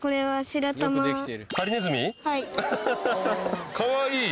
はい。